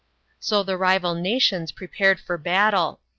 So the rival nations prepared for battle.